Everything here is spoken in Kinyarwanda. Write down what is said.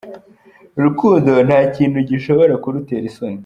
Urukundo nta kintu gishobora kurutera isoni.